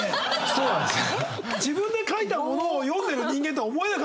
そうなんですよ。